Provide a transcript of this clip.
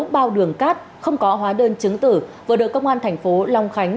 hai trăm tám mươi sáu bao đường cát không có hóa đơn chứng tử vừa được công an thành phố long khánh